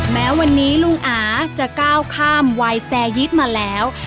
แม้วันนี้ลุงอาจะก้าวข้ามวายแซยิดมาแล้ว